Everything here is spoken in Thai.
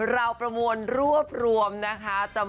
ประมวลรวบรวมนะคะ